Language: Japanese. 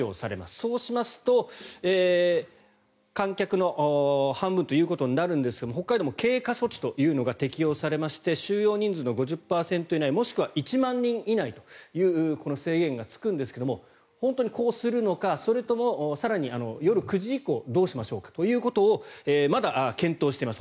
そうしますと、観客の半分ということになるんですが北海道も経過措置というのが適用されまして収容人数の５０％以内もしくは１万人以内というこの制限がつくんですが本当にこうするのかそれとも更に夜９時以降どうしましょうかというのをまだ、検討しています。